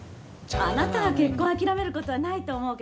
あなたが結婚を諦めることはないと思うけど。